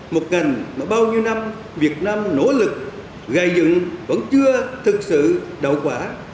một ngành mà bao nhiêu năm việt nam nỗ lực gài dựng vẫn chưa thực sự đậu quả